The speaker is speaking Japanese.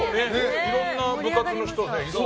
いろんな部活の人でね。